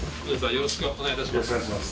よろしくお願いします。